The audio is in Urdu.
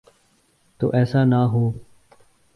تو ایسا نہ ہو۔